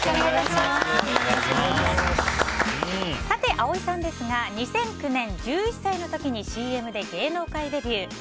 さて、葵さんですが２００９年、１１歳の時にＣＭで芸能界デビュー。